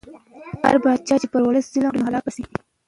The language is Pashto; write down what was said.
هر پاچا چې پر ولس ظلم وکړي نو هلاک به شي.